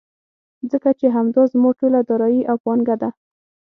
ځکه چې همدا زما ټوله دارايي او پانګه ده.